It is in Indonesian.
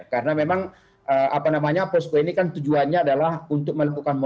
karena memang posko ini kan tujuannya adalah untuk melakukan monitor